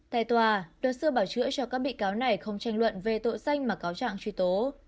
tại tòa luật sư bảo chữa cho các bị cáo này không tranh luận về tội danh mà cáo trạng truy tố